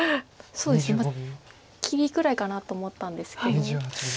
そうですね切りぐらいかなと思ったんですけど。